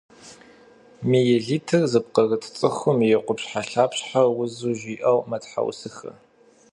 Миелитыр зыпкърыт цӏыкӏум и къупщхьэлъапщхьэр узу жиӏэу мэтхьэусыхэ.